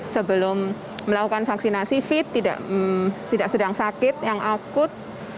sebelum melakukan vaksinasi fit tidak sedang sakit yang akut